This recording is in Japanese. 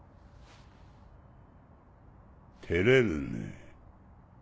照れるね。